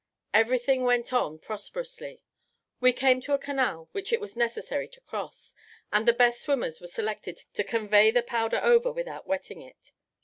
Everything went on prosperously. We came to a canal which it was necessary to cross, and the best swimmers were selected to convey the powder over without wetting it.